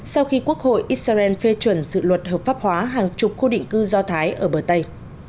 sau khi quốc hội israel phê chuẩn dự luật hợp pháp hóa hàng chục khu định cư do thái ở bờ tây